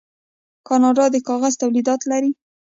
کاناډا د کاغذ تولیدات لري.